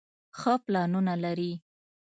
ښۀ پلانونه لري